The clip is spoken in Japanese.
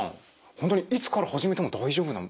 本当にいつから始めても大丈夫なんですか？